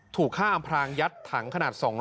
ถูกฆ่าอำพลาญยัดถังขนาด๒๐๐ลิตรเนี่ย